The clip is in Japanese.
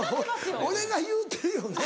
俺が言うてるよね